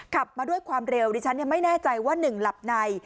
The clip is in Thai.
ขับมาด้วยความเร็วดิฉันไม่แน่ใจว่าหนึ่งหลับใน